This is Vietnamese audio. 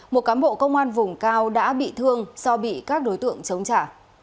một cán bộ công an vùng cao đã bị thương do bị các đối tượng chống trả